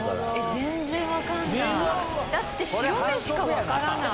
全然分かんない！